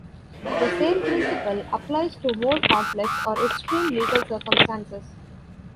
The same principle applies to more complex or extreme legal circumstances.